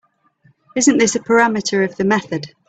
Isn’t this a parameter of the method?